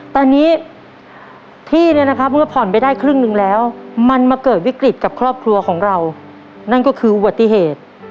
ตอนนี้ที่เนี่ยนะครับเมื่อผ่อนไปได้ครึ่งหนึ่งแล้วมันมาเกิดวิกฤตกับครอบครัวของเรานั่นก็คืออุบัติเหตุ